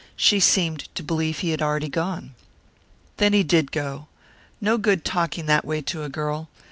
She seemed to believe he had already gone. Then he did go. No good talking that way to a girl.